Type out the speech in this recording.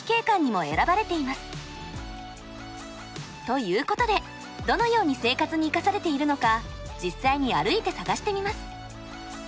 ということでどのように生活に生かされているのか実際に歩いて探してみます。